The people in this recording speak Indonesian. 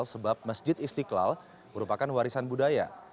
sebab masjid istiqlal merupakan warisan budaya